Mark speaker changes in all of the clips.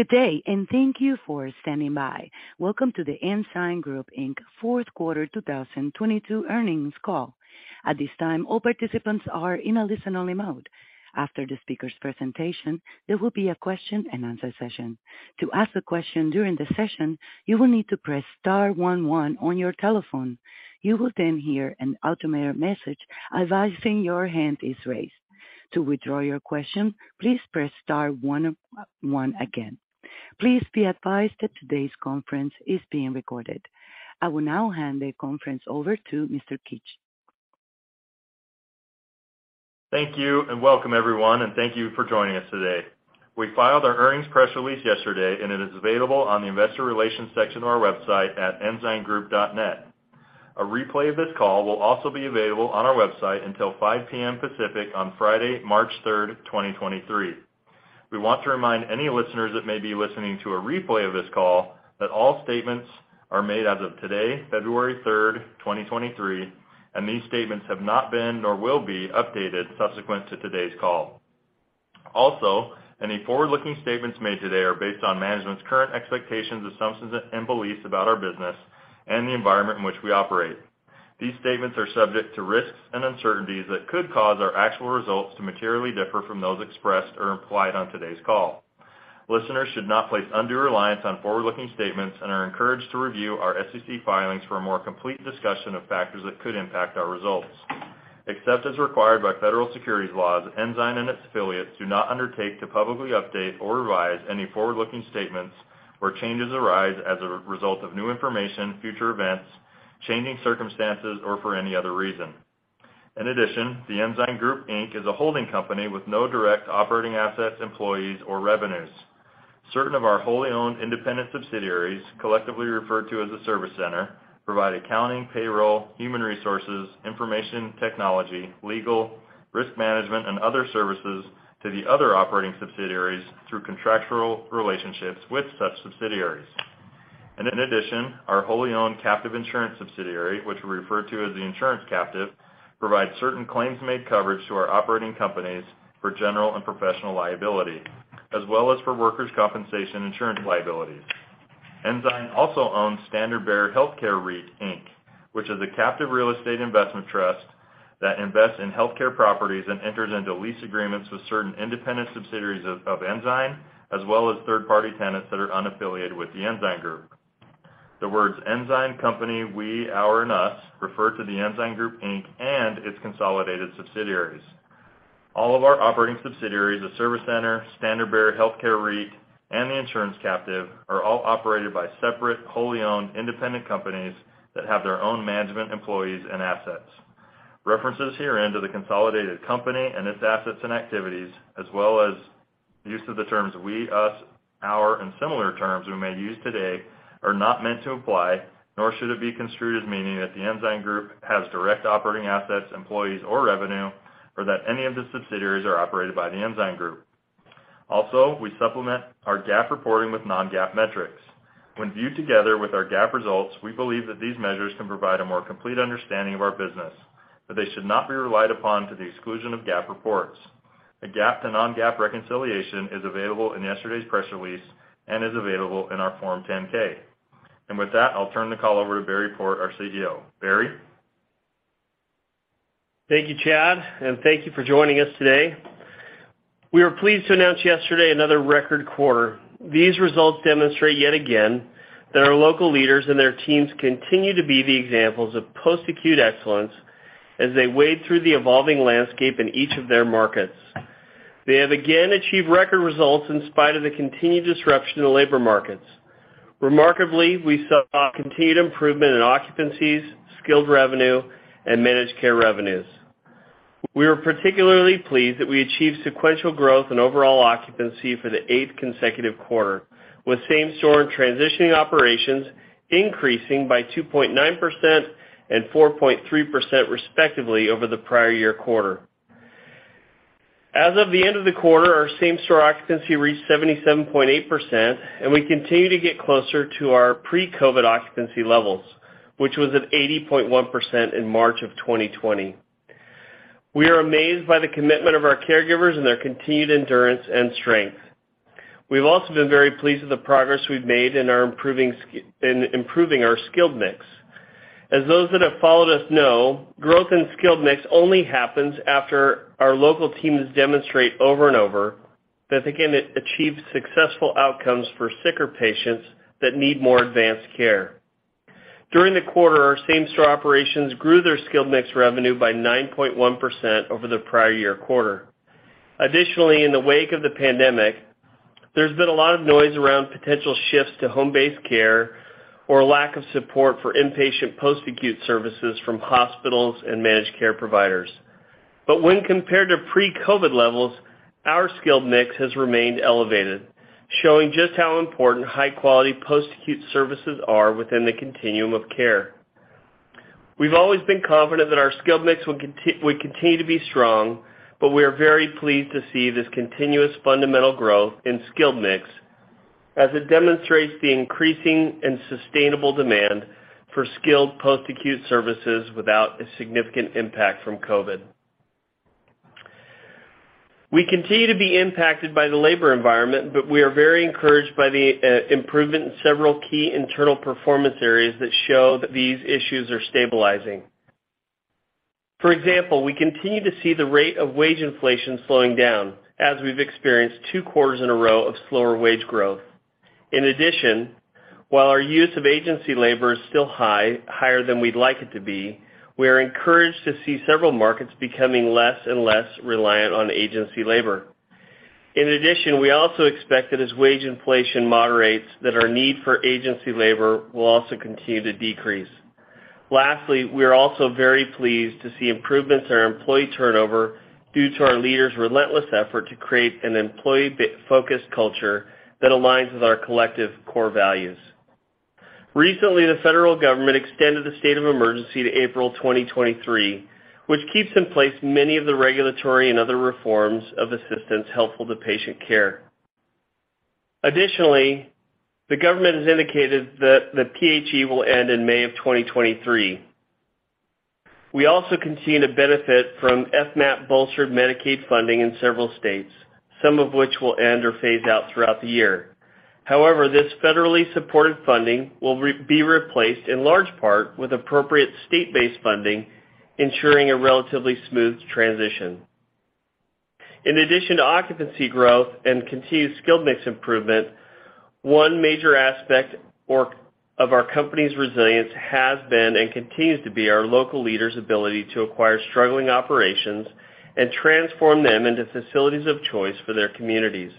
Speaker 1: Good day. Thank you for standing by. Welcome to The Ensign Group Inc. fourth quarter 2022 earnings call. At this time, all participants are in a listen-only mode. After the speaker's presentation, there will be a question-and-answer session. To ask a question during the session, you will need to press star one one on your telephone. You will hear an automated message advising your hand is raised. To withdraw your question, please press star one one again. Please be advised that today's conference is being recorded. I will now hand the conference over to Mr. Keetch.
Speaker 2: Thank you, and welcome, everyone, and thank you for joining us today. We filed our earnings press release yesterday and it is available on the investor relations section of our website at ensigngroup.net. A replay of this call will also be available on our website until 5:00 P.M. Pacific on Friday, March 3rd, 2023. We want to remind any listeners that may be listening to a replay of this call that all statements are made as of today, February 3rd, 2023, and these statements have not been nor will be updated subsequent to today's call. Also, any forward-looking statements made today are based on management's current expectations, assumptions, and beliefs about our business and the environment in which we operate. These statements are subject to risks and uncertainties that could cause our actual results to materially differ from those expressed or implied on today's call. Listeners should not place undue reliance on forward-looking statements and are encouraged to review our SEC filings for a more complete discussion of factors that could impact our results. Except as required by federal securities laws, Ensign and its affiliates do not undertake to publicly update or revise any forward-looking statements where changes arise as a result of new information, future events, changing circumstances, or for any other reason. The Ensign Group, Inc. is a holding company with no direct operating assets, employees, or revenues. Certain of our wholly owned independent subsidiaries, collectively referred to as a service center, provide accounting, payroll, human resources, information technology, legal, risk management, and other services to the other operating subsidiaries through contractual relationships with such subsidiaries. In addition, our wholly owned captive insurance subsidiary, which we refer to as the insurance captive, provides certain claims-made coverage to our operating companies for general and professional liability, as well as for workers' compensation insurance liabilities. Ensign also owns Standard Bearer Healthcare REIT Inc, which is a captive real estate investment trust that invests in healthcare properties and enters into lease agreements with certain independent subsidiaries of Ensign, as well as third-party tenants that are unaffiliated with The Ensign Group. The words Ensign company, we, our, and us refer to the Ensign Group Inc. and its consolidated subsidiaries. All of our operating subsidiaries, the service center, Standard Bearer Healthcare REIT, and the insurance captive, are all operated by separate, wholly owned independent companies that have their own management, employees, and assets. References herein to the consolidated company and its assets and activities, as well as use of the terms we, us, our, and similar terms we may use today are not meant to imply, nor should it be construed as meaning that The Ensign Group has direct operating assets, employees, or revenue, or that any of the subsidiaries are operated by The Ensign Group. We supplement our GAAP reporting with non-GAAP metrics. When viewed together with our GAAP results, we believe that these measures can provide a more complete understanding of our business, but they should not be relied upon to the exclusion of GAAP reports. A GAAP to non-GAAP reconciliation is available in yesterday's press release and is available in our Form 10-K. With that, I'll turn the call over to Barry Port, our CEO. Barry?
Speaker 3: Thank you, Chad. Thank you for joining us today. We were pleased to announce yesterday another record quarter. These results demonstrate yet again that our local leaders and their teams continue to be the examples of post-acute excellence as they wade through the evolving landscape in each of their markets. They have again achieved record results in spite of the continued disruption in the labor markets. Remarkably, we saw continued improvement in occupancies, skilled revenue, and managed care revenues. We are particularly pleased that we achieved sequential growth in overall occupancy for the eighth consecutive quarter, with same-store and transitioning operations increasing by 2.9% and 4.3% respectively over the prior year quarter. As of the end of the quarter, our same-store occupancy reached 77.8%. We continue to get closer to our pre-COVID occupancy levels, which was at 80.1% in March of 2020. We are amazed by the commitment of our caregivers and their continued endurance and strength. We've also been very pleased with the progress we've made in improving our skilled mix. As those that have followed us know, growth in skilled mix only happens after our local teams demonstrate over and over that they can achieve successful outcomes for sicker patients that need more advanced care. During the quarter, our same-store operations grew their skilled mix revenue by 9.1% over the prior year quarter. Additionally, in the wake of the pandemic, there's been a lot of noise around potential shifts to home-based care or lack of support for inpatient post-acute services from hospitals and managed care providers. When compared to pre-COVID levels, our skilled mix has remained elevated, showing just how important high-quality post-acute services are within the continuum of care. We've always been confident that our skilled mix will continue to be strong, but we are very pleased to see this continuous fundamental growth in skilled mix as it demonstrates the increasing and sustainable demand for skilled post-acute services without a significant impact from COVID. We continue to be impacted by the labor environment, but we are very encouraged by the improvement in several key internal performance areas that show that these issues are stabilizing. For example, we continue to see the rate of wage inflation slowing down as we've experienced two quarters in a row of slower wage growth. In addition, while our use of agency labor is still high, higher than we'd like it to be, we are encouraged to see several markets becoming less and less reliant on agency labor. In addition, we also expect that as wage inflation moderates, that our need for agency labor will also continue to decrease. Lastly, we are also very pleased to see improvements in our employee turnover due to our leaders' relentless effort to create an employee-focused culture that aligns with our collective core values. Recently, the federal government extended the state of emergency to April 2023, which keeps in place many of the regulatory and other reforms of assistance helpful to patient care. Additionally, the government has indicated that the PHE will end in May of 2023. We also continue to benefit from FMAP bolstered Medicaid funding in several states, some of which will end or phase out throughout the year. This federally supported funding will be replaced in large part with appropriate state-based funding, ensuring a relatively smooth transition. In addition to occupancy growth and continued skilled mix improvement, one major aspect of our company's resilience has been and continues to be our local leaders' ability to acquire struggling operations and transform them into facilities of choice for their communities.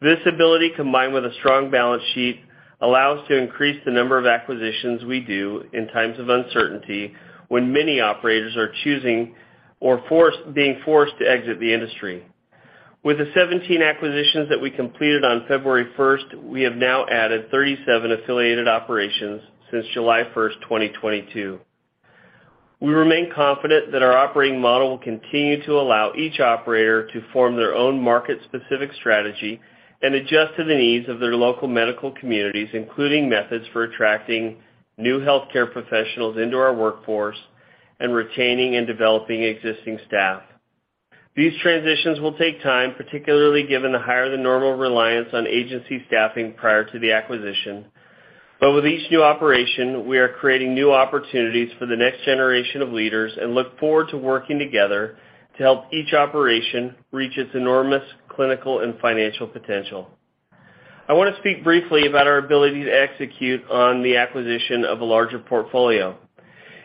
Speaker 3: This ability, combined with a strong balance sheet, allows to increase the number of acquisitions we do in times of uncertainty when many operators are choosing or being forced to exit the industry. With the 17 acquisitions that we completed on February 1st, we have now added 37 affiliated operations since July 1st, 2022. We remain confident that our operating model will continue to allow each operator to form their own market-specific strategy and adjust to the needs of their local medical communities, including methods for attracting new healthcare professionals into our workforce and retaining and developing existing staff. These transitions will take time, particularly given the higher-than-normal reliance on agency staffing prior to the acquisition. With each new operation, we are creating new opportunities for the next generation of leaders and look forward to working together to help each operation reach its enormous clinical and financial potential. I want to speak briefly about our ability to execute on the acquisition of a larger portfolio.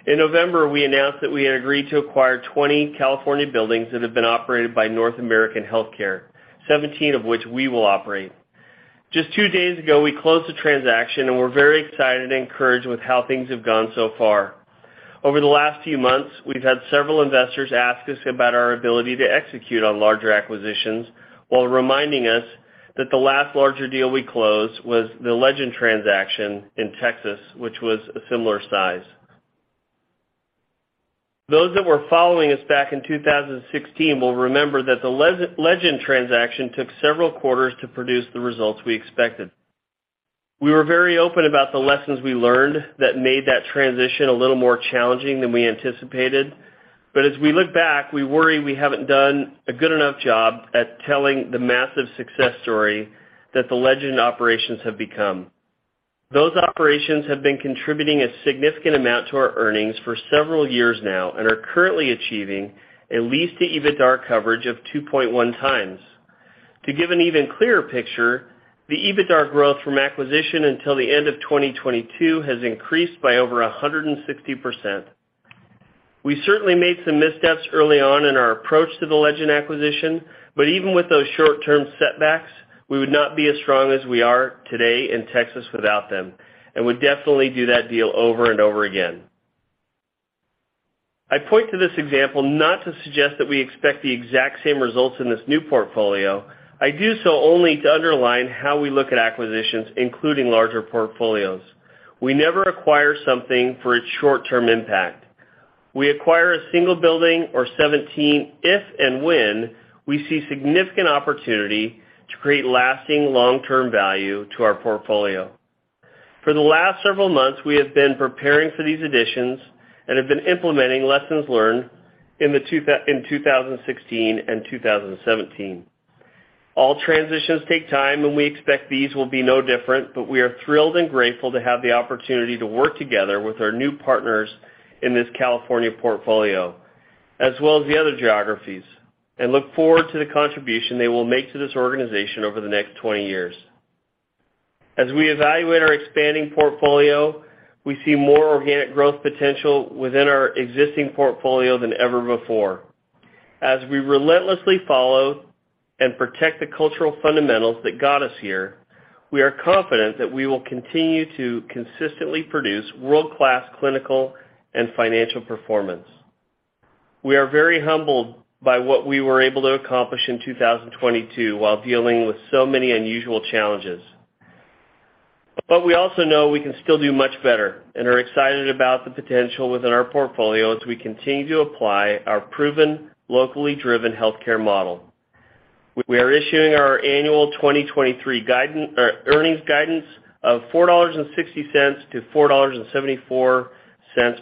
Speaker 3: In November, we announced that we had agreed to acquire 20 California buildings that have been operated by North American Health Care, 17 of which we will operate. Just two days ago, we closed the transaction, and we're very excited and encouraged with how things have gone so far. Over the last few months, we've had several investors ask us about our ability to execute on larger acquisitions while reminding us that the last larger deal we closed was the Legend transaction in Texas, which was a similar size. Those that were following us back in 2016 will remember that the Legend transaction took several quarters to produce the results we expected. We were very open about the lessons we learned that made that transition a little more challenging than we anticipated. As we look back, we worry we haven't done a good enough job at telling the massive success story that the Legend operations have become. Those operations have been contributing a significant amount to our earnings for several years now and are currently achieving a lease to EBITDAR coverage of 2.1x. To give an even clearer picture, the EBITDAR growth from acquisition until the end of 2022 has increased by over 160%. We certainly made some missteps early on in our approach to the Legend acquisition, but even with those short-term setbacks, we would not be as strong as we are today in Texas without them and would definitely do that deal over and over again. I point to this example not to suggest that we expect the exact same results in this new portfolio. I do so only to underline how we look at acquisitions, including larger portfolios. We never acquire something for its short-term impact. We acquire a single building or 17 if and when we see significant opportunity to create lasting long-term value to our portfolio. For the last several months, we have been preparing for these additions and have been implementing lessons learned in 2016 and 2017. All transitions take time, and we expect these will be no different, but we are thrilled and grateful to have the opportunity to work together with our new partners in this California portfolio, as well as the other geographies, and look forward to the contribution they will make to this organization over the next 20 years. As we evaluate our expanding portfolio, we see more organic growth potential within our existing portfolio than ever before. As we relentlessly follow and protect the cultural fundamentals that got us here, we are confident that we will continue to consistently produce world-class clinical and financial performance. We are very humbled by what we were able to accomplish in 2022 while dealing with so many unusual challenges. We also know we can still do much better and are excited about the potential within our portfolio as we continue to apply our proven, locally-driven healthcare model. We are issuing our annual 2023 guidance, earnings guidance of $4.60-$4.74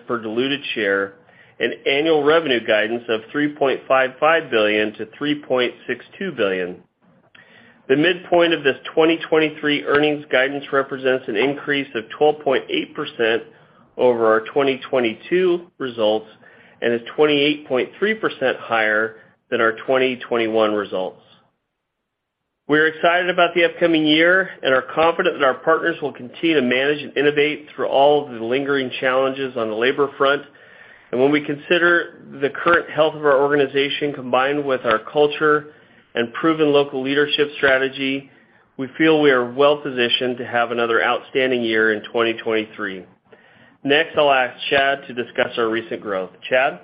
Speaker 3: per diluted share, and annual revenue guidance of $3.55 billion-$3.62 billion. The midpoint of this 2023 earnings guidance represents an increase of 12.8% over our 2022 results and is 28.3% higher than our 2021 results. We are excited about the upcoming year and are confident that our partners will continue to manage and innovate through all of the lingering challenges on the labor front. When we consider the current health of our organization, combined with our culture and proven local leadership strategy, we feel we are well-positioned to have another outstanding year in 2023. Next, I'll ask Chad to discuss our recent growth. Chad?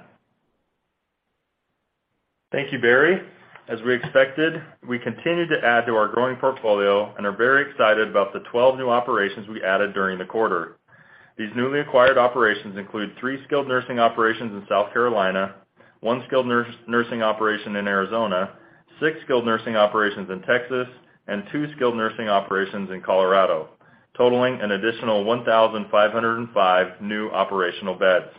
Speaker 2: Thank you, Barry. As we expected, we continued to add to our growing portfolio and are very excited about the 12 new operations we added during the quarter. These newly acquired operations include three skilled nursing operations in South Carolina, one skilled nursing operation in Arizona, six skilled nursing operations in Texas, and two skilled nursing operations in Colorado, totaling an additional 1,505 new operational beds.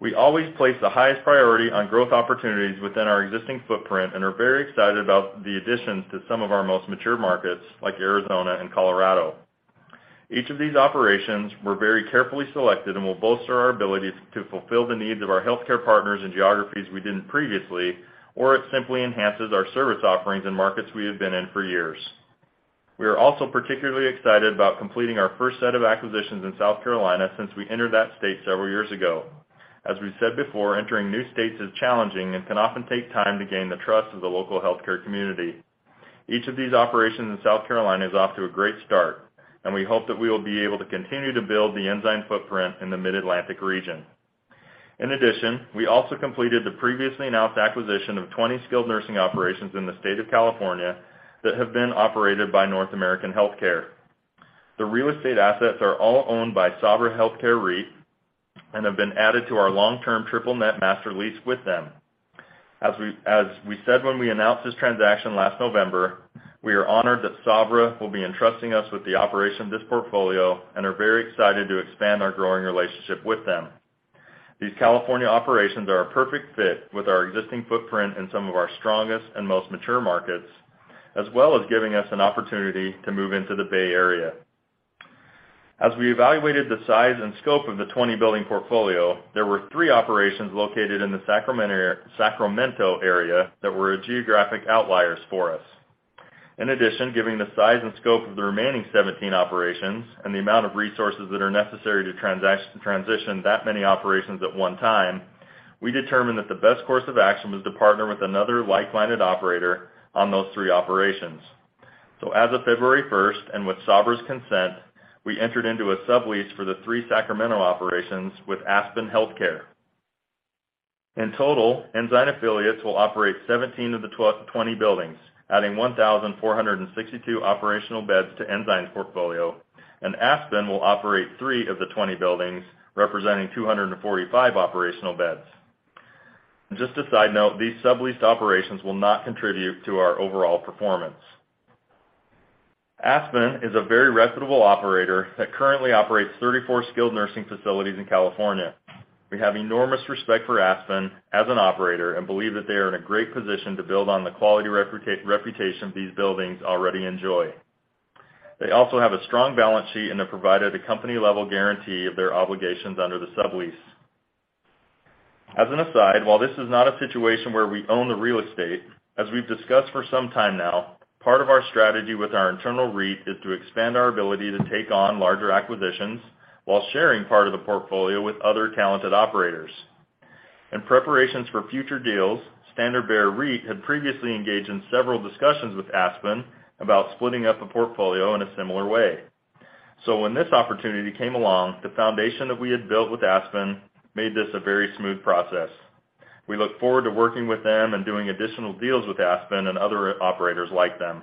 Speaker 2: We always place the highest priority on growth opportunities within our existing footprint and are very excited about the additions to some of our most mature markets like Arizona and Colorado. Each of these operations were very carefully selected and will bolster our ability to fulfill the needs of our healthcare partners in geographies we didn't previously, or it simply enhances our service offerings in markets we have been in for years. We are also particularly excited about completing our first set of acquisitions in South Carolina since we entered that state several years ago. As we said before, entering new states is challenging and can often take time to gain the trust of the local healthcare community. Each of these operations in South Carolina is off to a great start, and we hope that we will be able to continue to build the Ensign footprint in the Mid-Atlantic region. In addition, we also completed the previously announced acquisition of 20 skilled nursing operations in the state of California that have been operated by North American Health Care. The real estate assets are all owned by Sabra Health Care REIT and have been added to our long-term triple net master lease with them. As we said when we announced this transaction last November, we are honored that Sabra will be entrusting us with the operation of this portfolio and are very excited to expand our growing relationship with them. These California operations are a perfect fit with our existing footprint in some of our strongest and most mature markets, as well as giving us an opportunity to move into the Bay Area. As we evaluated the size and scope of the 20 building portfolio, there were three operations located in the Sacramento area that were geographic outliers for us. In addition, given the size and scope of the remaining 17 operations and the amount of resources that are necessary to transition that many operations at one time, we determined that the best course of action was to partner with another like-minded operator on those three operations. As of February 1st, and with Sabra's consent, we entered into a sublease for the three Sacramento operations with Aspen Healthcare. In total, Ensign affiliates will operate 17 of the 20 buildings, adding 1,462 operational beds to Ensign's portfolio, and Aspen will operate 3/ 20 buildings, representing 245 operational beds. Just a side note, these subleased operations will not contribute to our overall performance. Aspen is a very reputable operator that currently operates 34 skilled nursing facilities in California. We have enormous respect for Aspen as an operator and believe that they are in a great position to build on the quality reputation these buildings already enjoy. They also have a strong balance sheet, and they provided a company-level guarantee of their obligations under the sublease. As an aside, while this is not a situation where we own the real estate, as we've discussed for some time now, part of our strategy with our internal REIT is to expand our ability to take on larger acquisitions while sharing part of the portfolio with other talented operators. In preparations for future deals, Standard Bearer REIT had previously engaged in several discussions with Aspen about splitting up a portfolio in a similar way. When this opportunity came along, the foundation that we had built with Aspen made this a very smooth process. We look forward to working with them and doing additional deals with Aspen and other operators like them.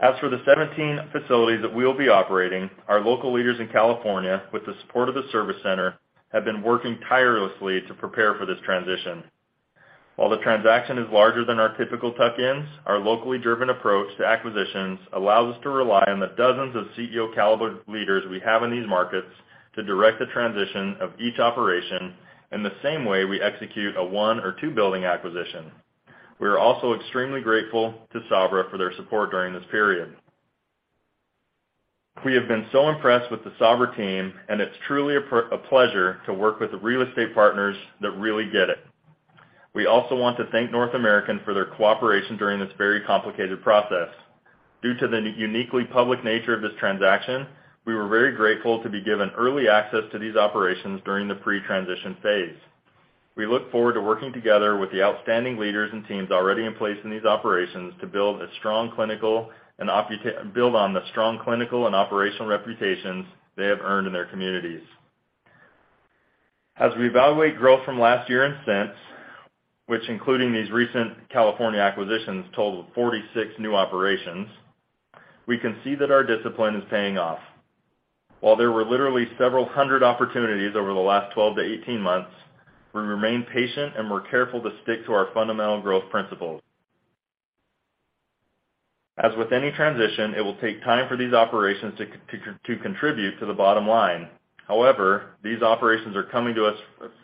Speaker 2: As for the 17 facilities that we will be operating, our local leaders in California, with the support of the service center, have been working tirelessly to prepare for this transition. While the transaction is larger than our typical tuck-ins, our locally driven approach to acquisitions allows us to rely on the dozens of CEO caliber leaders we have in these markets to direct the transition of each operation in the same way we execute a one or two building acquisition. We are also extremely grateful to Sabra for their support during this period. We have been so impressed with the Sabra team, and it's truly a pleasure to work with the real estate partners that really get it. We also want to thank North American for their cooperation during this very complicated process. Due to the uniquely public nature of this transaction, we were very grateful to be given early access to these operations during the pre-transition phase. We look forward to working together with the outstanding leaders and teams already in place in these operations to build on the strong clinical and operational reputations they have earned in their communities. As we evaluate growth from last year and since, which including these recent California acquisitions, total of 46 new operations, we can see that our discipline is paying off. While there were literally several hundred opportunities over the last 12-18 months, we remain patient and we're careful to stick to our fundamental growth principles. As with any transition, it will take time for these operations to contribute to the bottom line. These operations are coming to us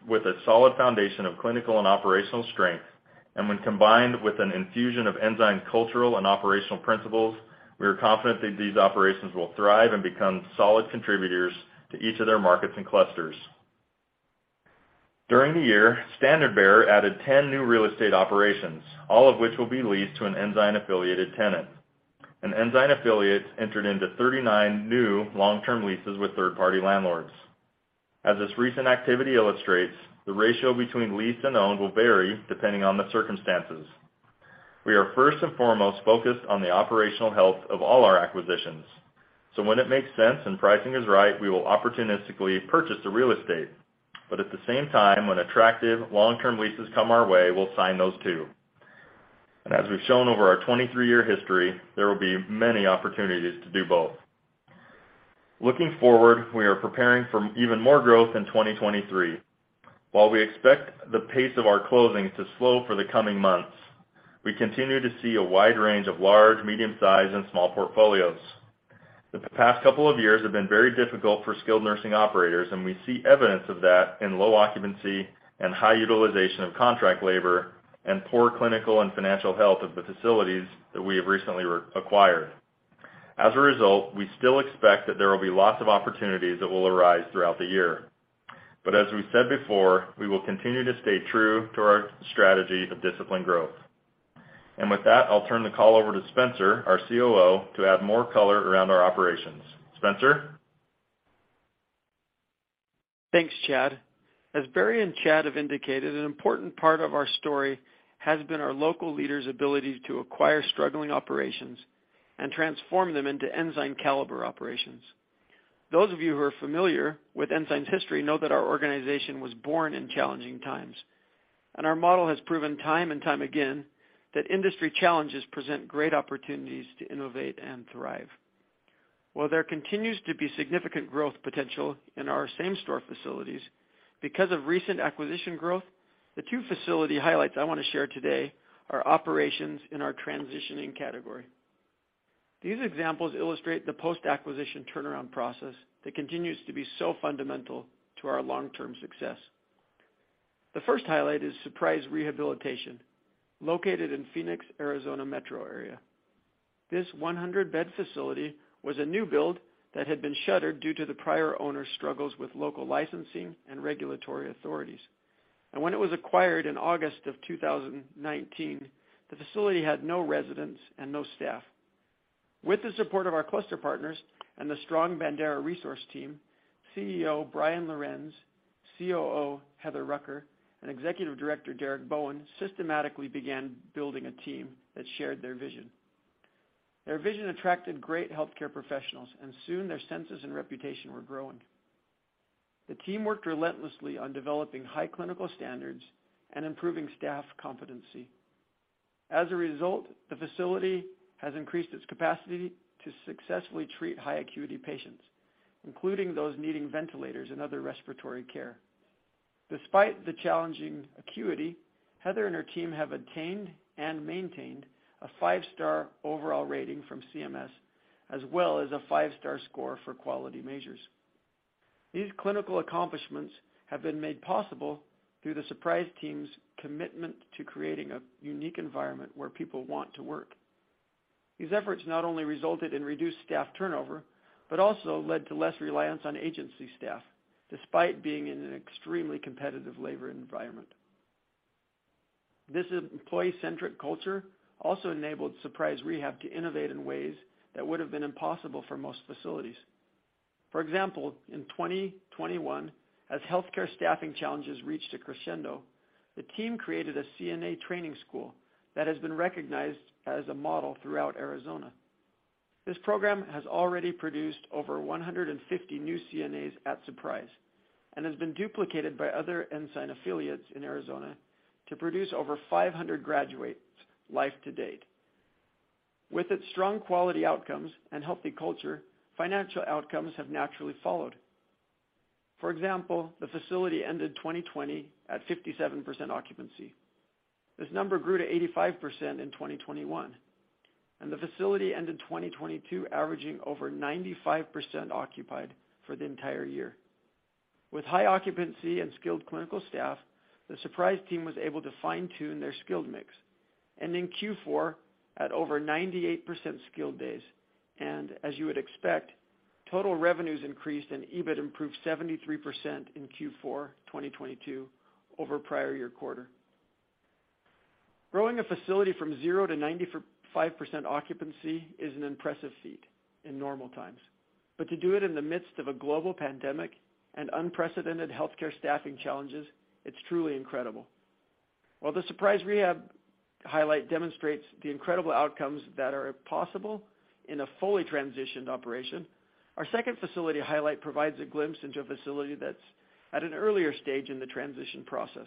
Speaker 2: with a solid foundation of clinical and operational strength. When combined with an infusion of Ensign cultural and operational principles, we are confident that these operations will thrive and become solid contributors to each of their markets and clusters. During the year, Standard Bear added 10 new real estate operations, all of which will be leased to an Ensign-affiliated tenant. An Ensign affiliate entered into 39 new long-term leases with third-party landlords. As this recent activity illustrates, the ratio between leased and owned will vary depending on the circumstances. We are first and foremost focused on the operational health of all our acquisitions. When it makes sense and pricing is right, we will opportunistically purchase the real estate. At the same time, when attractive long-term leases come our way, we'll sign those too. As we've shown over our 23-year history, there will be many opportunities to do both. Looking forward, we are preparing for even more growth in 2023. While we expect the pace of our closings to slow for the coming months, we continue to see a wide range of large, medium-sized, and small portfolios. The past couple of years have been very difficult for skilled nursing operators, and we see evidence of that in low occupancy and high utilization of contract labor and poor clinical and financial health of the facilities that we have recently reacquired. As a result, we still expect that there will be lots of opportunities that will arise throughout the year. As we said before, we will continue to stay true to our strategy of disciplined growth. With that, I'll turn the call over to Spencer, our COO, to add more color around our operations. Spencer?
Speaker 4: Thanks, Chad. As Barry and Chad have indicated, an important part of our story has been our local leaders' ability to acquire struggling operations and transform them into Ensign caliber operations. Those of you who are familiar with Ensign's history know that our organization was born in challenging times. Our model has proven time and time again that industry challenges present great opportunities to innovate and thrive. While there continues to be significant growth potential in our same store facilities, because of recent acquisition growth, the two facility highlights I wanna share today are operations in our transitioning category. These examples illustrate the post-acquisition turnaround process that continues to be so fundamental to our long-term success. The first highlight is Surprise Rehabilitation, located in Phoenix, Arizona metro area. This 100-bed facility was a new build that had been shuttered due to the prior owner's struggles with local licensing and regulatory authorities. When it was acquired in August 2019, the facility had no residents and no staff. With the support of our cluster partners and the strong Bandera resource team, CEO Brian Lorenz, COO Heather Rucker, and Executive Director Derek Bowen systematically began building a team that shared their vision. Their vision attracted great healthcare professionals, and soon their senses and reputation were growing. The team worked relentlessly on developing high clinical standards and improving staff competency. As a result, the facility has increased its capacity to successfully treat high acuity patients, including those needing ventilators and other respiratory care. Despite the challenging acuity, Heather and her team have attained and maintained a five-star overall rating from CMS, as well as a five-star score for quality measures. These clinical accomplishments have been made possible through the Surprise team's commitment to creating a unique environment where people want to work. These efforts not only resulted in reduced staff turnover, but also led to less reliance on agency staff, despite being in an extremely competitive labor environment. This employee-centric culture also enabled Surprise Rehab to innovate in ways that would have been impossible for most facilities. For example, in 2021, as healthcare staffing challenges reached a crescendo, the team created a CNA training school that has been recognized as a model throughout Arizona. This program has already produced over 150 new CNAs at Surprise and has been duplicated by other Ensign affiliates in Arizona to produce over 500 graduates life to date. With its strong quality outcomes and healthy culture, financial outcomes have naturally followed. For example, the facility ended 2020 at 57% occupancy. This number grew to 85% in 2021, and the facility ended 2022 averaging over 95% occupied for the entire year. With high occupancy and skilled clinical staff, the Surprise team was able to fine-tune their skilled mix, ending Q4 at over 98% skilled days. As you would expect, total revenues increased and EBIT improved 73% in Q4 2022 over prior year quarter. Growing a facility from 0 to 95% occupancy is an impressive feat in normal times. To do it in the midst of a global pandemic and unprecedented healthcare staffing challenges, it's truly incredible. While the Surprise Rehabilitation highlight demonstrates the incredible outcomes that are possible in a fully transitioned operation, our second facility highlight provides a glimpse into a facility that's at an earlier stage in the transition process.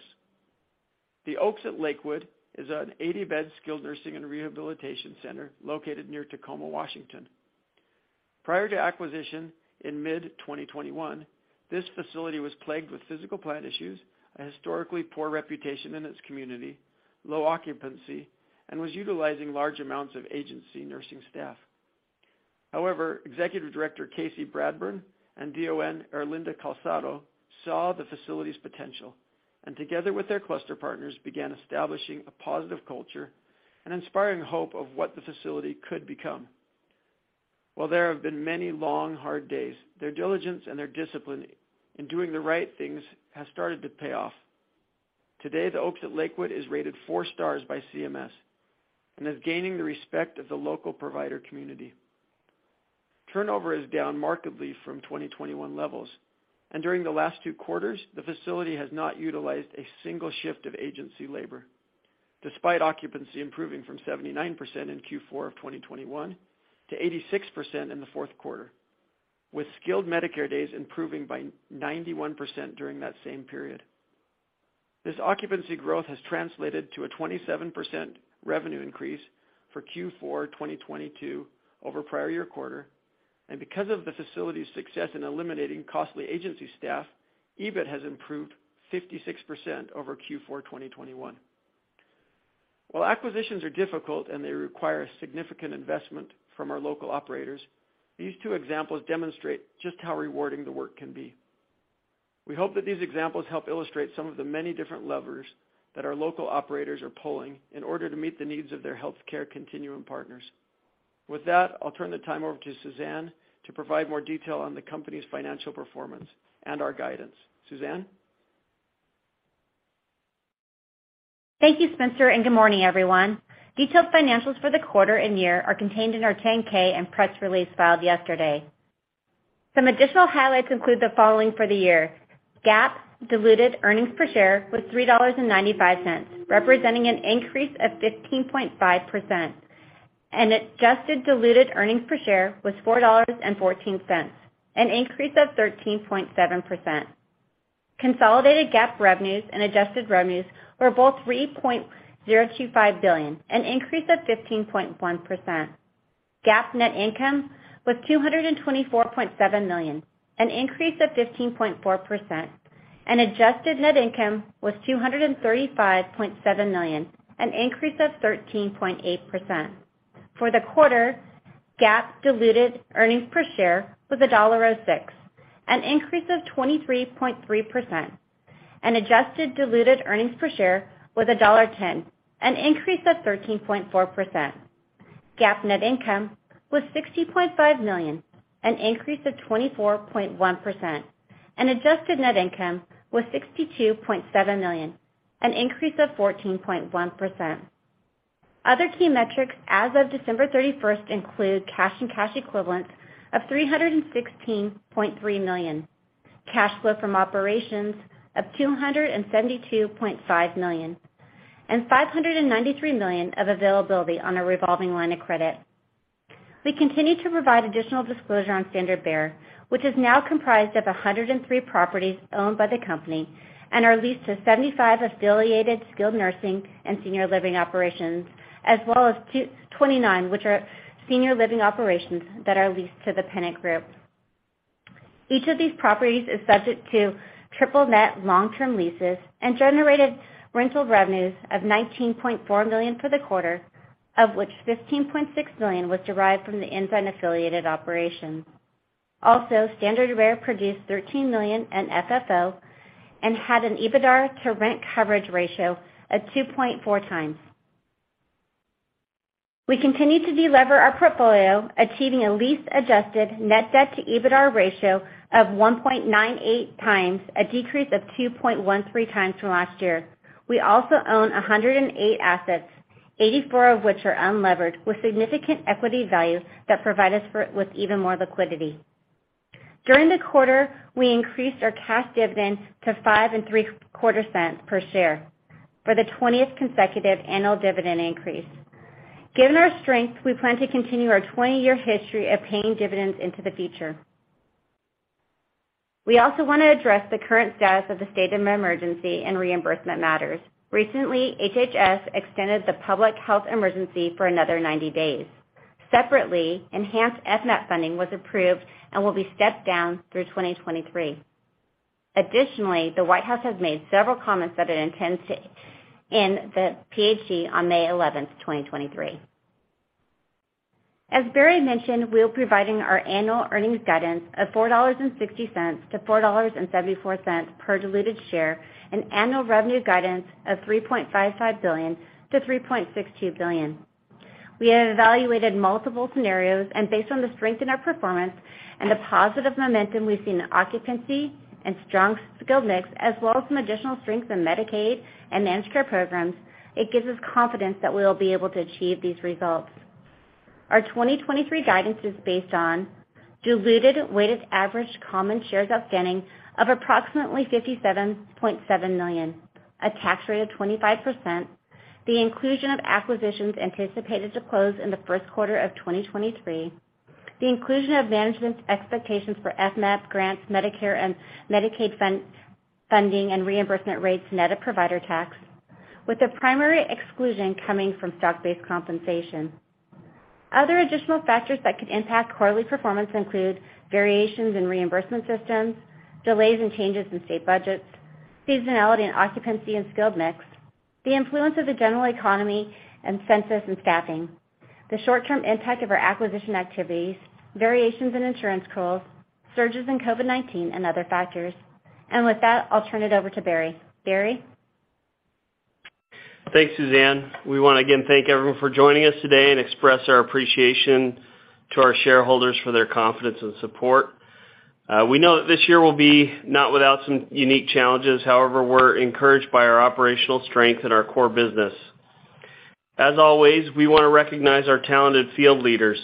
Speaker 4: The Oaks at Lakewood is an 80-bed skilled nursing and rehabilitation center located near Tacoma, Washington. Prior to acquisition in mid-2021, this facility was plagued with physical plant issues, a historically poor reputation in its community, low occupancy, and was utilizing large amounts of agency nursing staff. However, Executive Director Casey Bradburn and DON Erlinda Calzado saw the facility's potential and together with their cluster partners, began establishing a positive culture and inspiring hope of what the facility could become. While there have been many long, hard days, their diligence and their discipline in doing the right things has started to pay off. Today, The Oaks at Lakewood is rated four stars by CMS and is gaining the respect of the local provider community. Turnover is down markedly from 2021 levels, and during the last two quarters, the facility has not utilized a single shift of agency labor, despite occupancy improving from 79% in Q4 of 2021 to 86% in the Q4, with skilled Medicare days improving by 91% during that same period. This occupancy growth has translated to a 27% revenue increase for Q4 2022 over prior year quarter. Because of the facility's success in eliminating costly agency staff, EBIT has improved 56% over Q4 2021. While acquisitions are difficult and they require significant investment from our local operators, these two examples demonstrate just how rewarding the work can be. We hope that these examples help illustrate some of the many different levers that our local operators are pulling in order to meet the needs of their healthcare continuum partners. With that, I'll turn the time over to Suzanne to provide more detail on the company's financial performance and our guidance. Suzanne?
Speaker 5: Thank you, Spencer, and good morning, everyone. Detailed financials for the quarter and year are contained in our 10-K and press release filed yesterday. Some additional highlights include the following for the year: GAAP diluted earnings per share was $3.95, representing an increase of 15.5%, and adjusted diluted earnings per share was $4.14, an increase of 13.7%. Consolidated GAAP revenues and adjusted revenues were both $3.025 billion, an increase of 15.1%. GAAP net income was $224.7 million, an increase of 15.4%, and adjusted net income was $235.7 million, an increase of 13.8%. For the quarter, GAAP diluted earnings per share was $1.06, an increase of 23.3%. Adjusted diluted earnings per share was $1.10, an increase of 13.4%. GAAP net income was $60.5 million, an increase of 24.1%. Adjusted net income was $62.7 million, an increase of 14.1%. Other key metrics as of December 31st include cash and cash equivalents of $316.3 million, cash flow from operations of $272.5 million, and $593 million of availability on a revolving line of credit. We continue to provide additional disclosure on Standard Bear, which is now comprised of 103 properties owned by the company and are leased to 75 affiliated skilled nursing and senior living operations, as well as 29 which are senior living operations that are leased to the Pennant Group. Each of these properties is subject to triple net long-term leases and generated rental revenues of $19.4 million for the quarter, of which $15.6 million was derived from the Ensign affiliated operations. Also, Standard Bear produced $13 million in FFO and had an EBITDAR to rent coverage ratio of 2.4x. We continue to delever our portfolio, achieving a lease adjusted net debt to EBITDAR ratio of 1.98x, a decrease of 2.13x from last year. We also own 108 assets, 84 of which are unlevered, with significant equity value that provide us with even more liquidity. During the quarter, we increased our cash dividend to five and three quarter cents per share for the 20th consecutive annual dividend increase. Given our strength, we plan to continue our 20-year history of paying dividends into the future. We also wanna address the current status of the state of emergency and reimbursement matters. Recently, HHS extended the public health emergency for another 90 days. Separately, enhanced FMAP funding was approved and will be stepped down through 2023. Additionally, the White House has made several comments that it intends to end the PHE on May 11, 2023. As Barry mentioned, we're providing our annual earnings guidance of $4.60 to $4.74 per diluted share, and annual revenue guidance of $3.55 billion-$3.62 billion. We have evaluated multiple scenarios and based on the strength in our performance and the positive momentum we've seen in occupancy and strong skilled mix as well as some additional strength in Medicaid and managed care programs, it gives us confidence that we will be able to achieve these results. Our 2023 guidance is based on diluted weighted average common shares outstanding of approximately 57.7 million, a tax rate of 25%, the inclusion of acquisitions anticipated to close in the first quarter of 2023. The inclusion of management's expectations for FMAP grants, Medicare and Medicaid funding, and reimbursement rates net of provider tax, with the primary exclusion coming from stock-based compensation. Other additional factors that could impact quarterly performance include variations in reimbursement systems, delays and changes in state budgets, seasonality and occupancy and skilled mix, the influence of the general economy and census and staffing, the short-term impact of our acquisition activities, variations in insurance costs, surges in COVID-19, and other factors. With that, I'll turn it over to Barry. Barry?
Speaker 3: Thanks, Suzanne. We want to, again, thank everyone for joining us today and express our appreciation to our shareholders for their confidence and support. We know that this year will be not without some unique challenges. However, we're encouraged by our operational strength in our core business. As always, we want to recognize our talented field leaders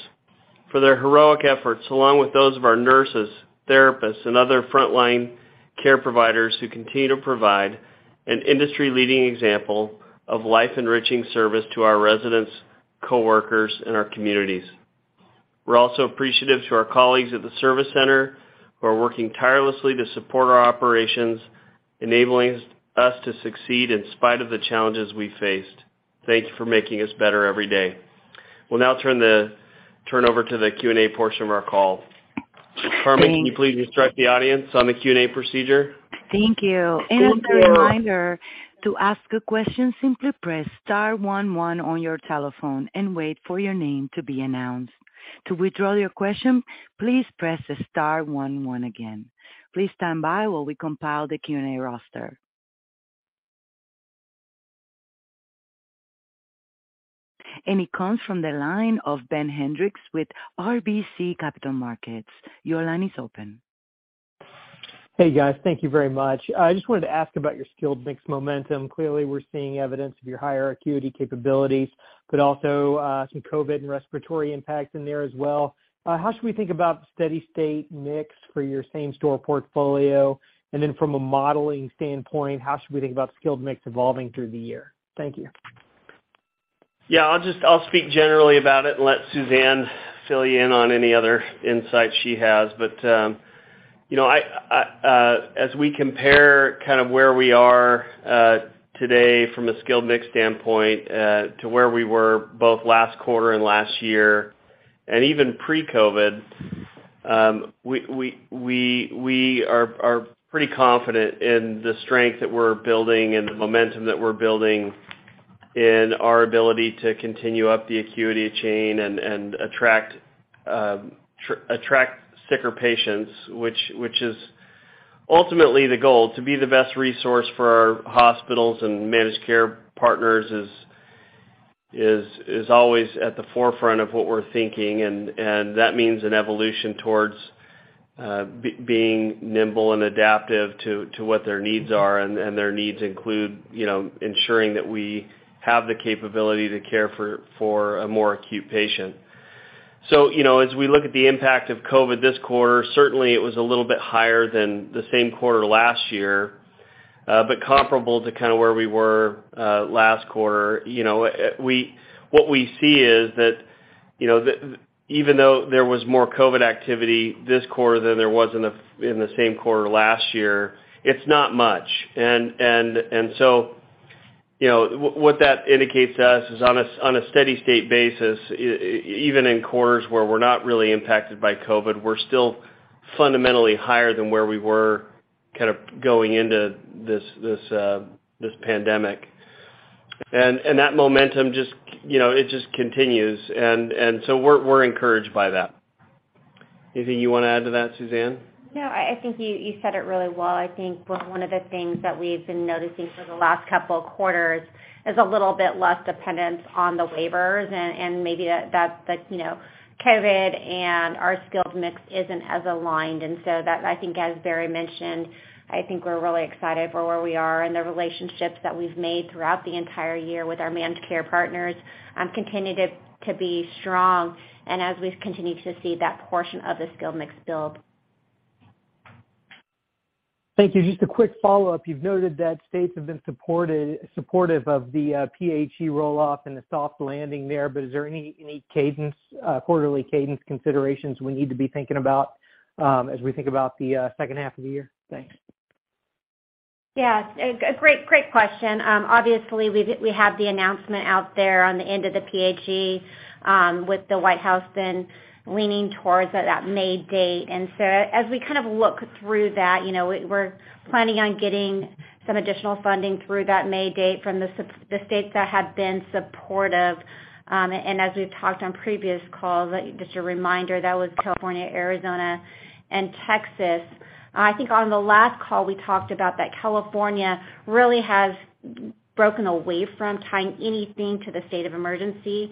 Speaker 3: for their heroic efforts, along with those of our nurses, therapists, and other frontline care providers who continue to provide an industry-leading example of life-enriching service to our residents, coworkers, and our communities. We're also appreciative to our colleagues at the service center who are working tirelessly to support our operations, enabling us to succeed in spite of the challenges we faced. Thank you for making us better every day. We'll now turn over to the Q&A portion of our call. Carmen, can you please instruct the audience on the Q&A procedure?
Speaker 1: Thank you. As a reminder, to ask a question, simply press star one one on your telephone and wait for your name to be announced. To withdraw your question, please press star one one again. Please stand by while we compile the Q&A roster. It comes from the line of Ben Hendrix with RBC Capital Markets. Your line is open.
Speaker 6: Hey, guys. Thank you very much. I just wanted to ask about your skilled mix momentum. Clearly, we're seeing evidence of your higher acuity capabilities, but also, some COVID and respiratory impact in there as well. How should we think about steady-state mix for your same-store portfolio? From a modeling standpoint, how should we think about skilled mix evolving through the year? Thank you.
Speaker 3: Yeah. I'll just speak generally about it and let Suzanne fill you in on any other insights she has. You know, I, as we compare kind of where we are today from a skilled mix standpoint, to where we were both last quarter and last year and even pre-COVID, we are pretty confident in the strength that we're building and the momentum that we're building in our ability to continue up the acuity chain and attract sicker patients, which is ultimately the goal. To be the best resource for our hospitals and managed care partners is always at the forefront of what we're thinking, and that means an evolution towards being nimble and adaptive to what their needs are. Their needs include, you know, ensuring that we have the capability to care for a more acute patient. You know, as we look at the impact of COVID this quarter, certainly it was a little bit higher than the same quarter last year, but comparable to kind of where we were last quarter. You know, what we see is that, you know, even though there was more COVID activity this quarter than there was in the same quarter last year, it's not much. You know, what that indicates to us is on a steady-state basis, even in quarters where we're not really impacted by COVID, we're still fundamentally higher than where we were kind of going into this pandemic. That momentum just, you know, it just continues. We're encouraged by that. Anything you wanna add to that, Suzanne?
Speaker 5: No, I think you said it really well. I think one of the things that we've been noticing for the last couple of quarters is a little bit less dependence on the waivers and maybe that, you know, COVID and our skilled mix isn't as aligned. That I think as Barry mentioned, I think we're really excited for where we are and the relationships that we've made throughout the entire year with our managed care partners, continue to be strong and as we've continued to see that portion of the skilled mix build.
Speaker 6: Thank you. Just a quick follow-up. You've noted that states have been supportive of the PHE roll-off and the soft landing there, is there any cadence, quarterly cadence considerations we need to be thinking about, as we think about the second half of the year? Thanks.
Speaker 5: Yeah. A great question. Obviously, we have the announcement out there on the end of the PHE, with the White House then leaning towards that May date. As we kind of look through that, you know, we're planning on getting some additional funding through that May date from the states that have been supportive. As we've talked on previous calls, just a reminder, that was California, Arizona, and Texas. I think on the last call, we talked about that California really has broken away from tying anything to the state of emergency.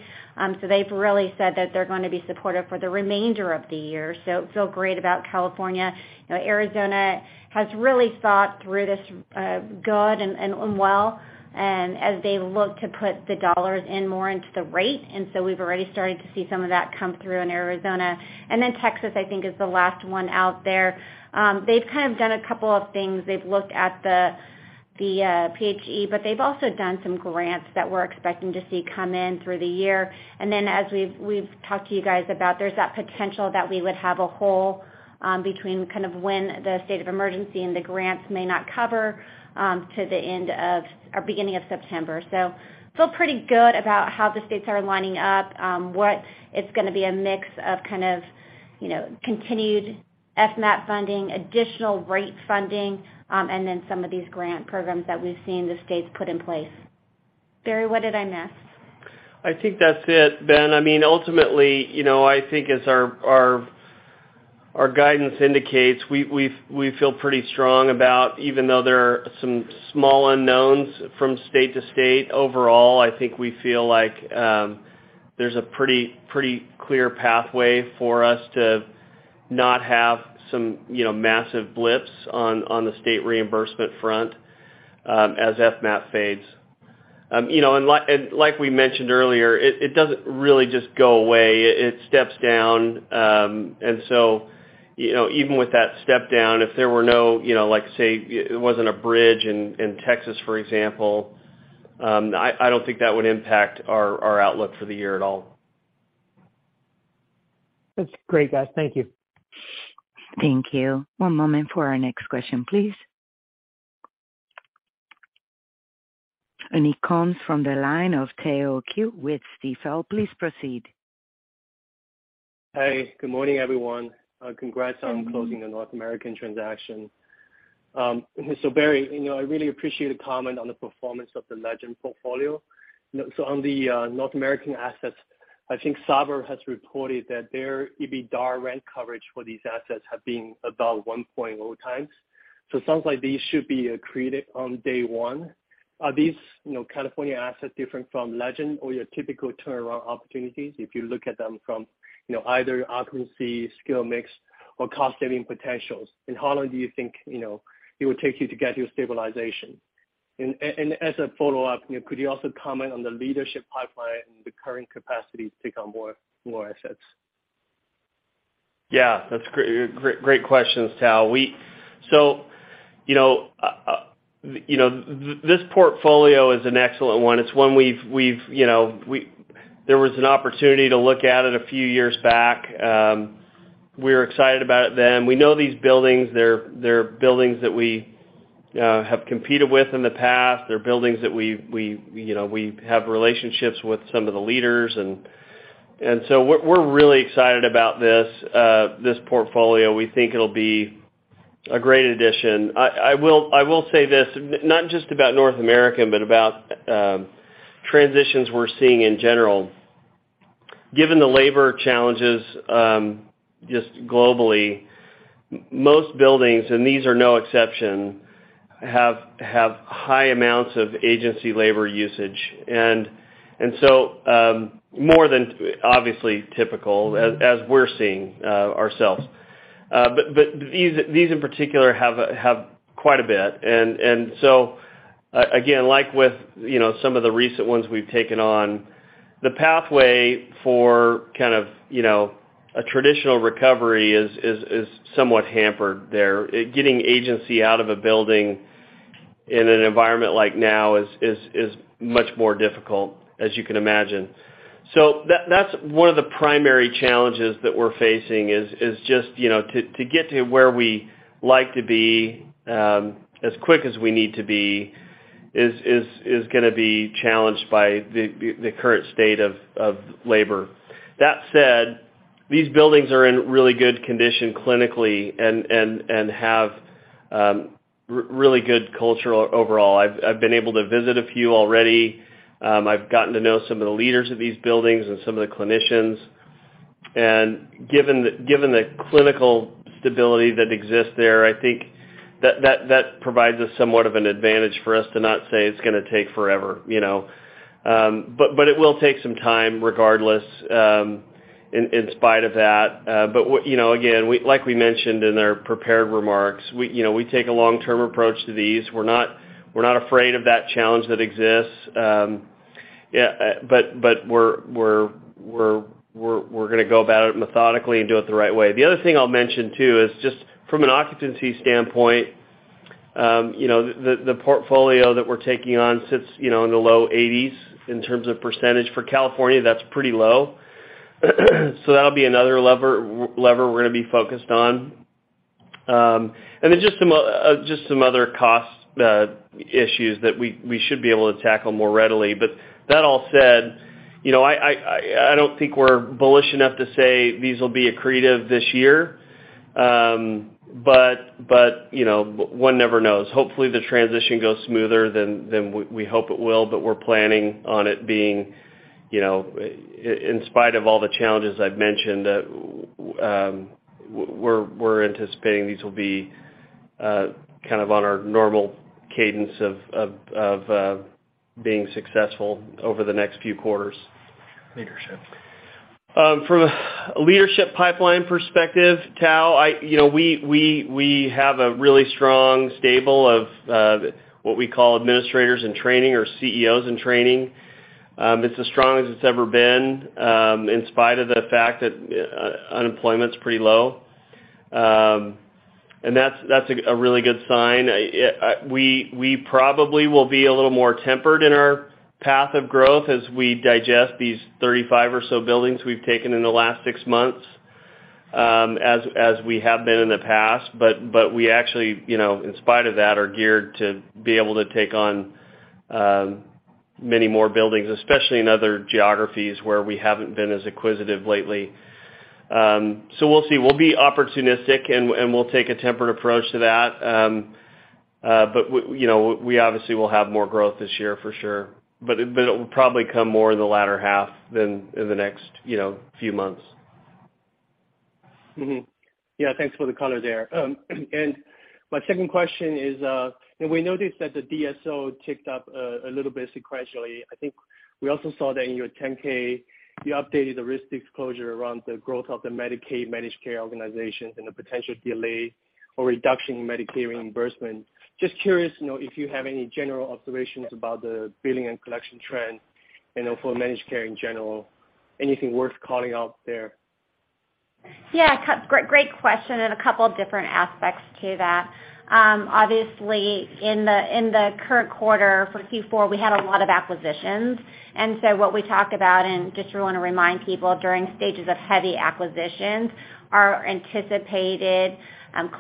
Speaker 5: They've really said that they're gonna be supportive for the remainder of the year, so feel great about California. You know, Arizona has really thought through this, good and well, as they look to put the dollars in more into the rate, we've already started to see some of that come through in Arizona. Texas, I think, is the last one out there. They've kind of done a couple of things. They've looked at The PHE, but they've also done some grants that we're expecting to see come in through the year. As we've talked to you guys about, there's that potential that we would have a hole between kind of when the state of emergency and the grants may not cover to the end of or beginning of September. Feel pretty good about how the states are lining up, what is gonna be a mix of kind of, you know, continued FMAP funding, additional rate funding, and then some of these grant programs that we've seen the states put in place. Barry, what did I miss?
Speaker 3: I think that's it, Ben. I mean, ultimately, you know, I think as our guidance indicates, we feel pretty strong about even though there are some small unknowns from state to state. Overall, I think we feel like there's a pretty clear pathway for us to not have some, you know, massive blips on the state reimbursement front as FMAP fades. You know, and like we mentioned earlier, it doesn't really just go away. It steps down. You know, even with that step down, if there were no, you know, like, say, it wasn't a bridge in Texas, for example, I don't think that would impact our outlook for the year at all.
Speaker 6: That's great, guys. Thank you.
Speaker 1: Thank you. One moment for our next question, please. It comes from the line of Tao Qiu with Stifel. Please proceed.
Speaker 7: Hey, good morning, everyone. Congrats on closing the North American transaction. Barry, you know, I really appreciate a comment on the performance of the Legend portfolio. On the North American assets, I think Sabra has reported that their EBITDA rent coverage for these assets have been about 1.0x. It sounds like these should be accretive on day one. Are these, you know, California assets different from Legend or your typical turnaround opportunities, if you look at them from, you know, either occupancy, skill mix, or cost saving potentials? How long do you think, you know, it would take you to get your stabilization? As a follow-up, you know, could you also comment on the leadership pipeline and the current capacity to take on more assets?
Speaker 3: Yeah, that's great. Great questions, Tao. You know, this portfolio is an excellent one. It's one we've, you know, there was an opportunity to look at it a few years back. We were excited about it then. We know these buildings. They're buildings that we have competed with in the past. They're buildings that we, you know, we have relationships with some of the leaders. We're really excited about this portfolio. We think it'll be a great addition. I will say this, not just about North America, but about transitions we're seeing in general. Given the labor challenges, just globally, most buildings, and these are no exception, have high amounts of agency labor usage. More than obviously typical as we're seeing ourselves. These in particular have quite a bit. Again, like with, you know, some of the recent ones we've taken on, the pathway for kind of, you know, a traditional recovery is somewhat hampered there. Getting agency out of a building in an environment like now is much more difficult, as you can imagine. That's one of the primary challenges that we're facing is just, you know, to get to where we like to be, as quick as we need to be is gonna be challenged by the current state of labor. That said, these buildings are in really good condition clinically and have really good culture overall. I've been able to visit a few already. I've gotten to know some of the leaders of these buildings and some of the clinicians. Given the clinical stability that exists there, I think that provides us somewhat of an advantage for us to not say it's gonna take forever, you know. It will take some time regardless, in spite of that. You know, again, like we mentioned in our prepared remarks, we, you know, we take a long-term approach to these. We're not afraid of that challenge that exists. Yeah, but we're gonna go about it methodically and do it the right way. The other thing I'll mention, too, is just from an occupancy standpoint, you know, the portfolio that we're taking on sits, you know, in the low 80s in terms of percentage. For California, that's pretty low. That'll be another lever we're gonna be focused on. Then just some other cost issues that we should be able to tackle more readily. That all said, you know, I don't think we're bullish enough to say these will be accretive this year. You know, one never knows. Hopefully, the transition goes smoother than we hope it will, but we're planning on it being, you know, in spite of all the challenges I've mentioned, we're anticipating these will be kind of on our normal cadence of being successful over the next few quarters.
Speaker 7: Leadership.
Speaker 3: From a leadership pipeline perspective, Tao, I, you know, we have a really strong stable of what we call administrators in training or CEOs in training. It's as strong as it's ever been, in spite of the fact that unemployment's pretty low. That's, that's a really good sign. I, we probably will be a little more tempered in our path of growth as we digest these 35 or so buildings we've taken in the last six months, as we have been in the past. We actually, you know, in spite of that, are geared to be able to take on many more buildings, especially in other geographies where we haven't been as inquisitive lately. We'll see. We'll be opportunistic and we'll take a tempered approach to that. You know, we obviously will have more growth this year for sure. It will probably come more in the latter half than in the next, you know, few months.
Speaker 7: Yeah, thanks for the color there. My second question is, you know, we noticed that the DSO ticked up a little bit sequentially. I think we also saw that in your 10-K, you updated the risk disclosure around the growth of the Medicaid managed care organizations and the potential delay or reduction in Medicare reimbursement. Just curious, you know, if you have any general observations about the billing and collection trends, you know, for managed care in general. Anything worth calling out there?
Speaker 5: Yeah. Great question. A couple of different aspects to that. Obviously in the current quarter for Q4, we had a lot of acquisitions. So what we talked about, and just wanna remind people during stages of heavy acquisitions, our anticipated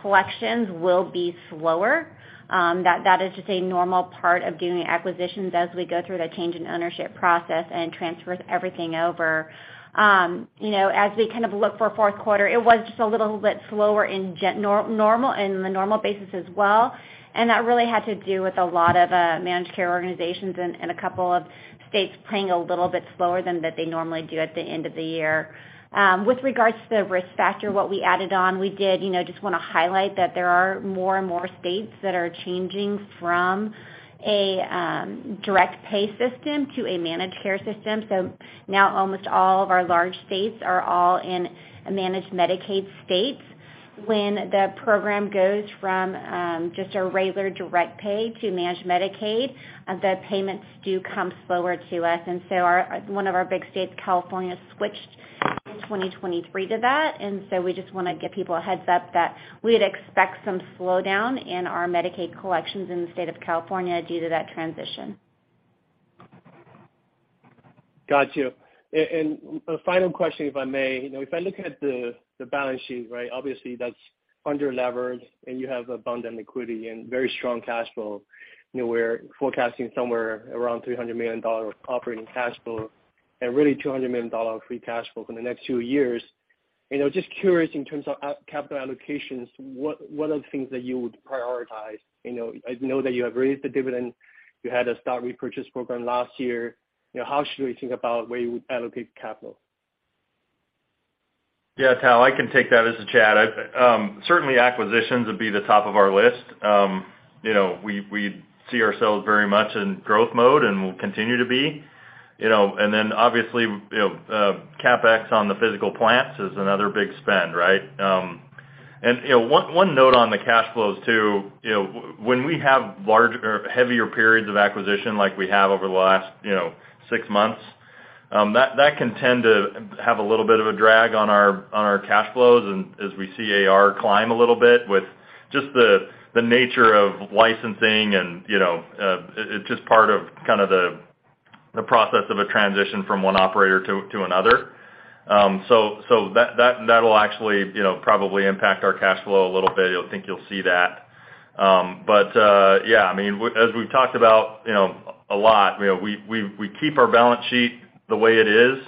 Speaker 5: collections will be slower. That is just a normal part of doing acquisitions as we go through the change in ownership process and transfers everything over. You know, as we kind of look for fourth quarter, it was just a little bit slower in the normal basis as well. That really had to do with a lot of managed care organizations and a couple of states paying a little bit slower than that they normally do at the end of the year. With regards to the risk factor, what we added on, we did, you know, just wanna highlight that there are more and more states that are changing from a direct pay system to a managed care system. Now almost all of our large states are all in a Managed Medicaid states. When the program goes from just a regular direct pay to Managed Medicaid, the payments do come slower to us. Our, one of our big states, California, switched in 2023 to that, and so we just wanna give people a heads up that we'd expect some slowdown in our Medicaid collections in the state of California due to that transition.
Speaker 7: Got you. A final question, if I may. You know, if I look at the balance sheet, right? Obviously, that's under-leveraged and you have abundant liquidity and very strong cash flow. You know, we're forecasting somewhere around $300 million operating cash flow and really $200 million free cash flow for the next two years. You know, just curious in terms of capital allocations, what are the things that you would prioritize? You know, I know that you have raised the dividend, you had a stock repurchase program last year. You know, how should we think about where you would allocate capital?
Speaker 2: Yeah, Tao, I can take that, this is Chad. I... certainly acquisitions would be the top of our list. You know, we see ourselves very much in growth mode and will continue to be, you know. Obviously, you know, CapEx on the physical plants is another big spend, right? You know, one note on the cash flows too. You know, when we have large or heavier periods of acquisition like we have over the last, you know, 6 months, that can tend to have a little bit of a drag on our, on our cash flows and as we see AR climb a little bit with just the nature of licensing and, you know, it's just part of kind of the process of a transition from one operator to another. That'll actually, you know, probably impact our cash flow a little bit. I think you'll see that. Yeah, I mean, as we've talked about, you know, a lot, you know, we keep our balance sheet the way it is,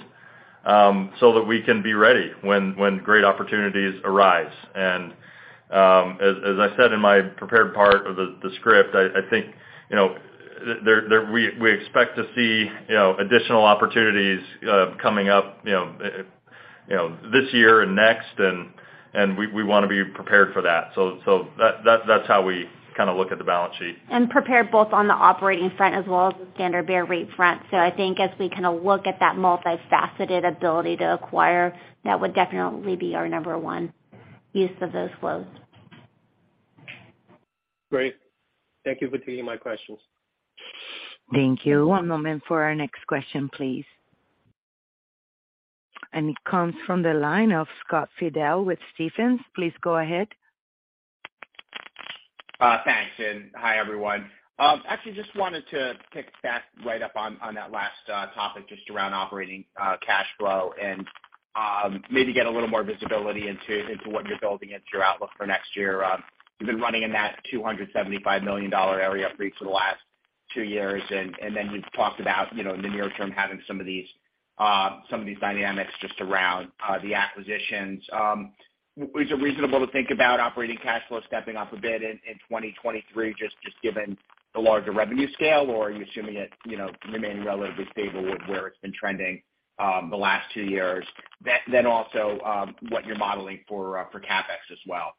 Speaker 2: so that we can be ready when great opportunities arise. As I said in my prepared part of the script, I think, you know, there we expect to see, you know, additional opportunities coming up, you know, this year and next and we wanna be prepared for that. That's how we kinda look at the balance sheet.
Speaker 5: Prepared both on the operating front as well as the Standard Bearer rate front. I think as we kinda look at that multifaceted ability to acquire, that would definitely be our number one use of those flows.
Speaker 7: Great. Thank you for taking my questions.
Speaker 1: Thank you. One moment for our next question, please. It comes from the line of Scott Fidel with Stephens. Please go ahead.
Speaker 8: Thanks, and hi, everyone. Actually just wanted to pick back right up on that last topic just around operating cash flow and maybe get a little more visibility into what you're building into your outlook for next year. You've been running in that $275 million area for each of the last two years, and then you've talked about, you know, in the near term, having some of these, some of these dynamics just around the acquisitions. Was it reasonable to think about operating cash flow stepping up a bit in 2023 just given the larger revenue scale, or are you assuming it, you know, remaining relatively stable with where it's been trending the last two years? Then also what you're modeling for CapEx as well.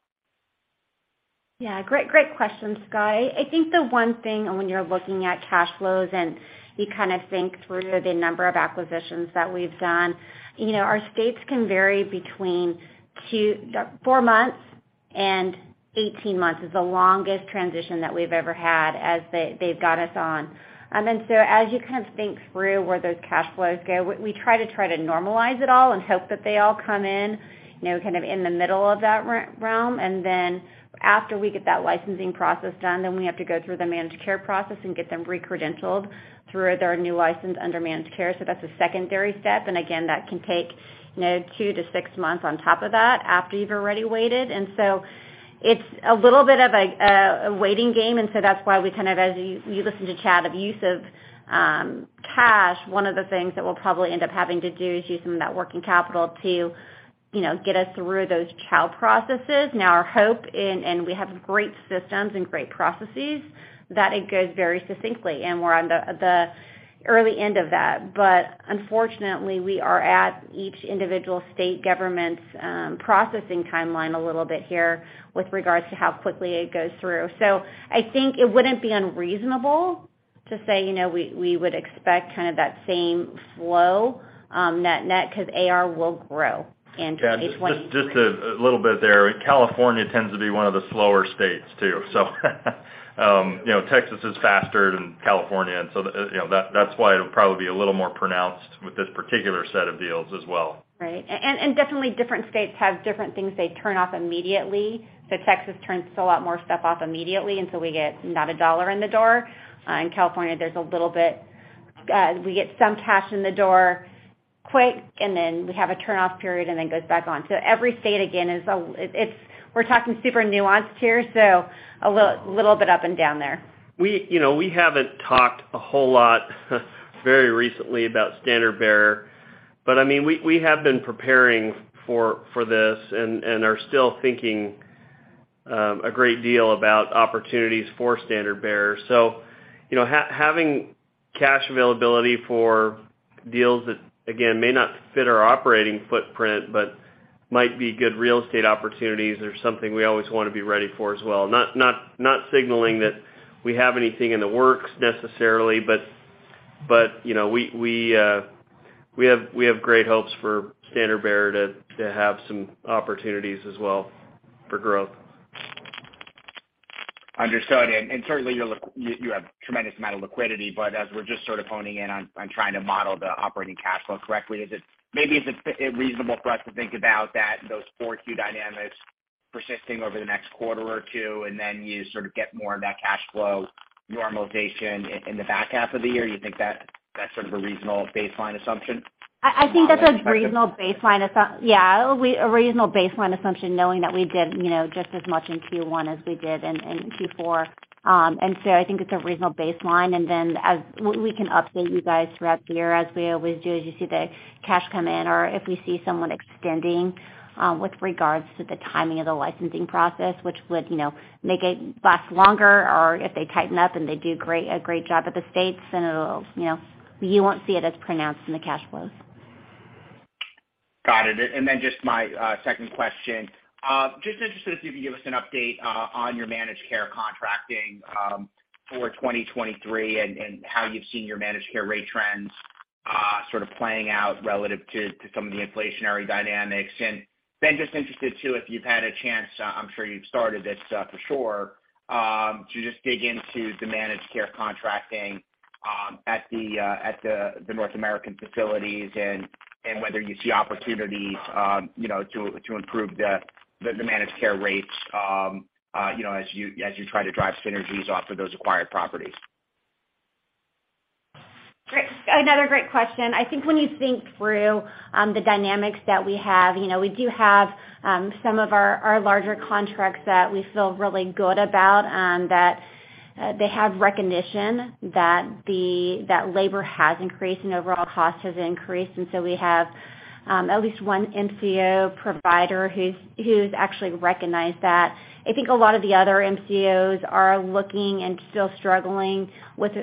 Speaker 5: Yeah. Great, great question, Scott. I think the one thing when you're looking at cash flows and you kinda think through the number of acquisitions that we've done, you know, our states can vary between 2-4 months. 18 months is the longest transition that we've ever had as they've got us on. As you kind of think through where those cash flows go, we try to normalize it all and hope that they all come in, you know, kind of in the middle of that realm. After we get that licensing process done, then we have to go through the managed care process and get them re-credentialed through their new license under managed care. That's a secondary step, and again, that can take, you know, 2-6 months on top of that, after you've already waited. It's a little bit of a waiting game, and so that's why we kind of as you listen to Chad, the use of cash, one of the things that we'll probably end up having to do is use some of that working capital to, you know, get us through those child processes. Our hope and we have great systems and great processes, that it goes very succinctly, and we're on the early end of that. Unfortunately, we are at each individual state government's processing timeline a little bit here with regards to how quickly it goes through. I think it wouldn't be unreasonable to say, you know, we would expect kind of that same flow, net net 'cause AR will grow into 2023.
Speaker 2: Yeah, just a little bit there. California tends to be one of the slower states too. You know, Texas is faster than California, and so, you know, that's why it'll probably be a little more pronounced with this particular set of deals as well.
Speaker 5: Right. Definitely different states have different things they turn off immediately. Texas turns a lot more stuff off immediately, and so we get not $1 in the door. In California, there's a little bit, we get some cash in the door quick, and then we have a turn-off period, and then it goes back on. Every state, again, is, it's, we're talking super nuanced here, so a little bit up and down there.
Speaker 3: We, you know, we haven't talked a whole lot very recently about Standard Bear, but I mean, we have been preparing for this and are still thinking a great deal about opportunities for Standard Bear. You know, having cash availability for deals that, again, may not fit our operating footprint but might be good real estate opportunities or something we always wanna be ready for as well. Not signaling that we have anything in the works necessarily, but, you know, we have great hopes for Standard Bear to have some opportunities as well for growth.
Speaker 8: Understood. Certainly you have tremendous amount of liquidity, but as we're just sort of honing in on trying to model the operating cash flow correctly, maybe is it reasonable for us to think about those 4Q dynamics persisting over the next quarter or two, and then you sort of get more of that cash flow normalization in the back half of the year? You think that's sort of a reasonable baseline assumption or perspective?
Speaker 5: I think that's a reasonable baseline, yeah, a reasonable baseline assumption knowing that we did, you know, just as much in Q1 as we did in Q4. I think it's a reasonable baseline, and then as we can update you guys throughout the year as we always do, as you see the cash come in or if we see someone extending, with regards to the timing of the licensing process, which would, you know, make it last longer, or if they tighten up and they do a great job at the states, then it'll, you know, you won't see it as pronounced in the cash flows.
Speaker 8: Got it. Just my second question. Just interested if you could give us an update on your managed care contracting for 2023 and how you've seen your managed care rate trends sort of playing out relative to some of the inflationary dynamics. Just interested too, if you've had a chance, I'm sure you've started this for sure, to just dig into the managed care contracting at the North American facilities and whether you see opportunities, you know, to improve the managed care rates, you know, as you try to drive synergies off of those acquired properties.
Speaker 5: Great. Another great question. I think when you think through the dynamics that we have, you know, we do have some of our larger contracts that we feel really good about, that they have recognition that labor has increased and overall cost has increased. We have at least one MCO provider who's actually recognized that. I think a lot of the other MCOs are looking and still struggling with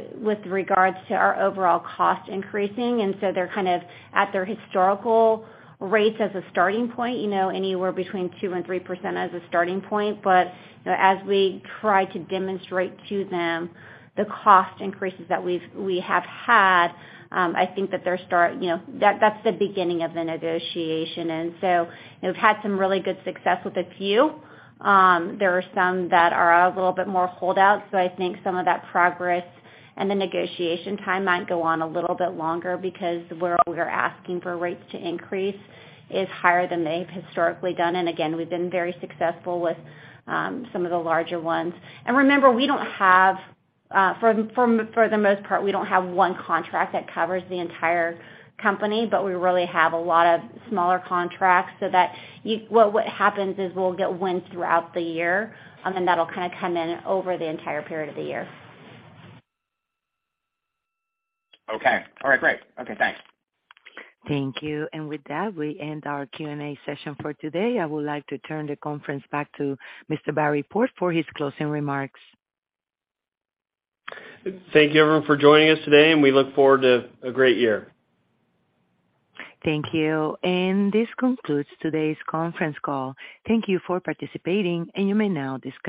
Speaker 5: regards to our overall cost increasing. They're kind of at their historical rates as a starting point, you know, anywhere between 2% and 3% as a starting point. You know, as we try to demonstrate to them the cost increases that we have had, I think that, you know, that's the beginning of the negotiation. You know, we've had some really good success with a few. There are some that are a little bit more holdout, so I think some of that progress and the negotiation timeline go on a little bit longer because where we're asking for rates to increase is higher than they've historically done. Again, we've been very successful with some of the larger ones. Remember, we don't have for the most part, we don't have one contract that covers the entire company, but we really have a lot of smaller contracts so that what happens is we'll get wins throughout the year, and that'll kinda come in over the entire period of the year.
Speaker 8: Okay. All right. Great. Okay, thanks.
Speaker 1: Thank you. With that, we end our Q&A session for today. I would like to turn the conference back to Mr. Barry Port for his closing remarks.
Speaker 3: Thank you everyone for joining us today, and we look forward to a great year.
Speaker 1: Thank you. This concludes today's conference call. Thank you for participating, and you may now disconnect.